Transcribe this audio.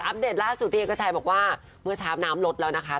เดตล่าสุดพี่เอกชัยบอกว่าเมื่อเช้าน้ำลดแล้วนะคะ